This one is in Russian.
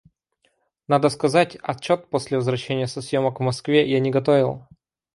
Надо сказать, отчет после возвращения со съемок в Москве я не готовил.